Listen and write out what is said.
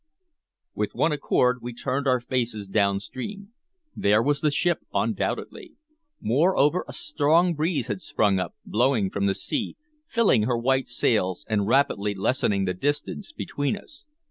With one accord we turned our faces downstream. There was the ship, undoubtedly. Moreover, a strong breeze had sprung up, blowing from the sea, filling her white sails, and rapidly lessening the distance between us.